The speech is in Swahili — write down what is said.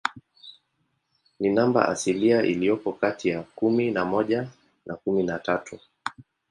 Ni namba asilia iliyopo kati ya kumi na moja na kumi na tatu.